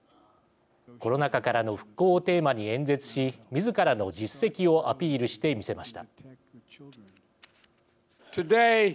コロナ禍からの復興をテーマに演説し、みずからの実績をアピールしてみせました。